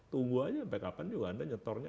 tunggu aja sampai kapan juga anda nyetornya